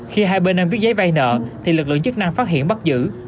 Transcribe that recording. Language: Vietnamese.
khi hai bên em viết giấy vây nợ lực lượng chức năng phát hiện bắt giữ